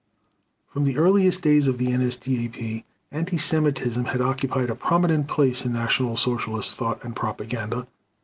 From the earliest days of the NSDAP, anti Semitism had occupied a prominent place in National Socialist thought and propaganda.